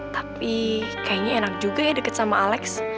tapi kayaknya enak juga ya deket sama alex